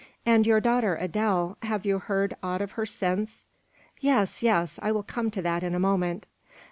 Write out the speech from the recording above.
"And your daughter Adele have you heard aught of her since?" "Yes, yes, I will come to that in a moment.